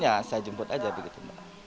ya saya jemput aja begitu mbak